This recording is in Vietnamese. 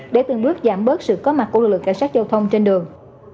để từng bước giảm bớt sự có mặt của lực lượng cảnh sát giao thông trên đường